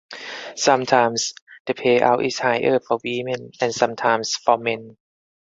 Sometimes the payout is higher for women and sometimes for men.